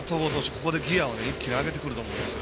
ここでギヤを一気に上げてくると思うんです。